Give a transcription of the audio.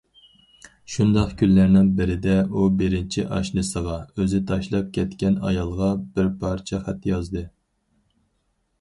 شۇنداق كۈنلەرنىڭ بىرىدە ئۇ بىرىنچى ئاشنىسىغا- ئۆزى تاشلاپ كەتكەن ئايالغا بىر پارچە خەت يازدى.